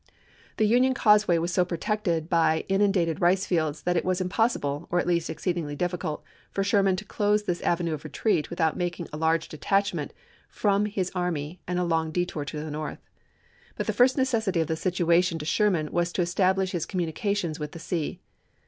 The Union cause way was so protected by inundated rice fields that it was impossible, or at least exceedingly difficult, for Sherman to close this avenue of retreat without making a large detachment from his army and a long detour to the north. But the first necessity of the situation to Sherman was to establish his communications with the sea.